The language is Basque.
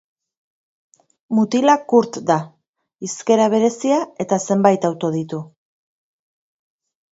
Mutila Kurt da; hizkera berezia eta zenbait auto ditu.